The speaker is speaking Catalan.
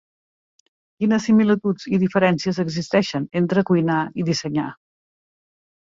Quines similituds i diferències existeixen entre cuinar i dissenyar?